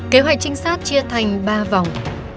kế hoạch trinh sát chia thành ba vòng